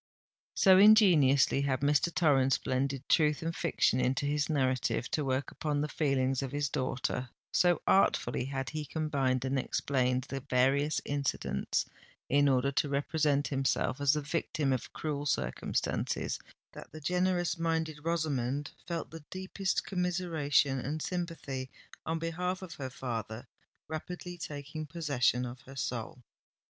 So ingeniously had Mr. Torrens blended truth and fiction in his narrative, to work upon the feelings of his daughter,—so artfully had he combined and explained the various incidents in order to represent himself as the victim of cruel circumstances—that the generous minded Rosamond felt the deepest commiseration and sympathy on behalf of her father rapidly taking possession of her soul.